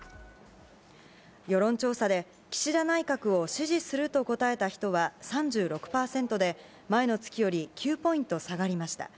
世論調査で、岸田内閣を支持すると答えた人は３６％で、前の月より９ポイント下がりました。